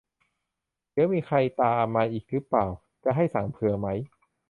เดี๋ยวมีใครตามมาอีกรึเปล่า จะให้สั่งเผื่อไหม